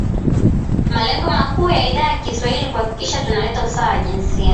Malengo makuu ya Idhaa ya kiswahili ni kuhakikisha tuna leta usawa wa jinsia